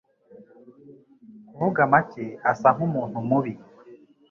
Kuvuga make, asa nkumuntu mubi.